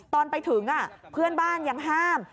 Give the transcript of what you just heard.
ตอนไปถึงเพื่อนบ้านยังห้าม